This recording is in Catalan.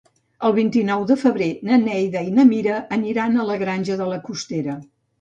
El vint-i-nou de febrer na Neida i na Mira aniran a la Granja de la Costera.